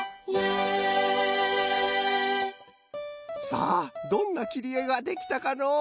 さあどんなきりえができたかのう？